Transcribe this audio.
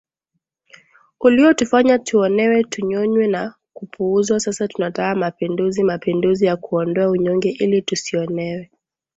uliotufanya tuonewe tunyonywe na kupuuzwa Sasa tunataka mapinduzi mapinduzi ya kuondoa unyonge ili tusionewe